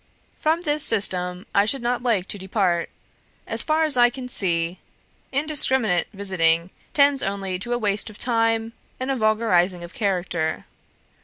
From this system I should not like to depart; as far as I can see, Indiscriminate visiting tends only to a waste of time and a vulgarising of character.